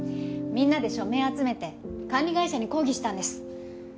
みんなで署名集めて管理会社に抗議したんです。